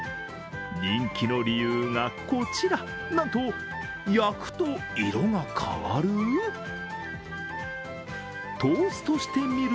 人気の理由がこちら、なんと、焼くと色が変わる？